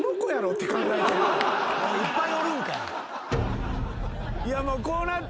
いっぱいおるんかい。